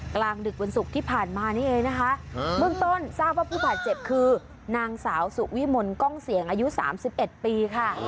กลางดึกวันศุกร์ที่ผ่านมานี่เองนะคะเบื้องต้นทราบว่าผู้บาดเจ็บคือนางสาวสุวิมลกล้องเสียงอายุ๓๑ปีค่ะ